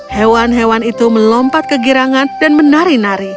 hewan hewan itu melompat ke girangan dan menari nari